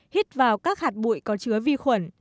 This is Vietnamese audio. hít vào các hạt bụi có chứa vi khuẩn